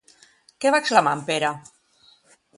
Què va exclamar en Pere?